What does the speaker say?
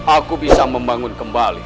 aku bisa membangun kembali